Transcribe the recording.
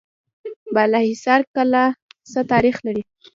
بالاحصار کلا څه تاریخ لري؟